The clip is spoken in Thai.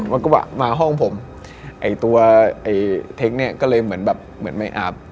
แล้วก็บอกมาห้องผมไอ้ตัวไอ้เทคเนี่ยก็เลยเหรอบาบเหมือนไม่อาบ